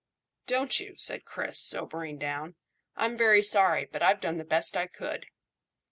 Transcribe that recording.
"Don't you?" said Chris, sobering down. "I'm very sorry; but I've done the best I could."